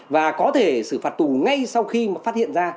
và có thể xử phạt tù ngay sau khi mà phát hiện ra